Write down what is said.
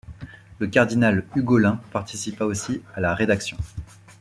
Le Cardinal Hugolin participa aussi à la rédaction.